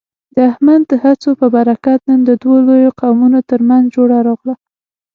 د احمد د هڅو په برکت، نن د دوو لویو قومونو ترمنځ جوړه راغله.